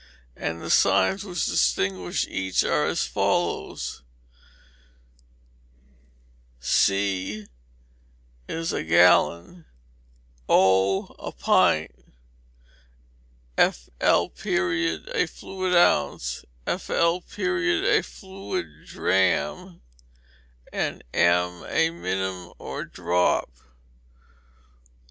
And the signs which distinguish each are as follows: c. means a gallon; o a pint; fl [*ounce], a fluid ounce; fl [*drachm], a fluid drachm; and m, a minim, or drop.